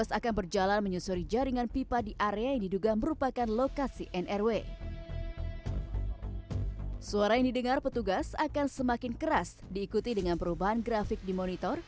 suara yang didengar petugas akan semakin keras diikuti dengan perubahan grafik di monitor